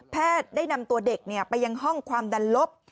ได้นำตัวเด็กไปยังห้องความดันลบ